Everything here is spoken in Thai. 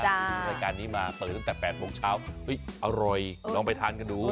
รายการนี้มาเปิดตั้งแต่๘โมงเช้าเฮ้ยอร่อยลองไปทานกันดู